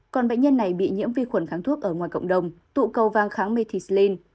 còn bệnh nhân này bị nhiễm vi khuẩn kháng thuốc ở ngoài cộng đồng tụ cầu vang kháng methicillin